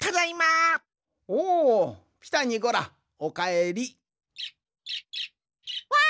おおピタにゴラおかえり。わ！